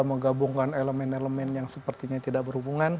menggabungkan elemen elemen yang sepertinya tidak berhubungan